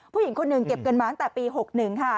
ผู้หญิงคนหนึ่งเก็บเงินมาตั้งแต่ปี๖๑ค่ะ